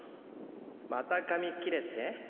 また髪切れって？